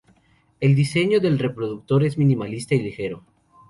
El diseño del reproductor es minimalista y ligero.